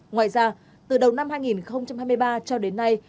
ngoài ra từ đầu năm hai nghìn hai mươi ba cho đến nay